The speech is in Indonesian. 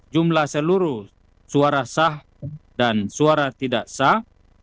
jumlah seluruh suara sah dan suara tidak sah